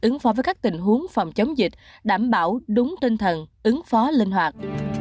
ứng phó với các tình huống phòng chống dịch đảm bảo đúng tinh thần ứng phó linh hoạt